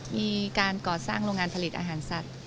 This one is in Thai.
มีการก่อสร้างโรงงานผลิตอาหารสัตว์